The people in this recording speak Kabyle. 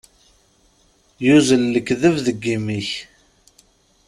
Yuzzel lekdeb deg yimi-k.